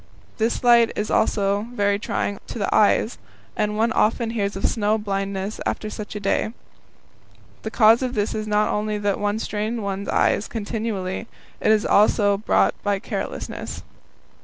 This light is also very trying to the eyes, and one often hears of snow blindness after such a day. The cause of this is not only that one strains one's eyes continually; it is also brought about by carelessness.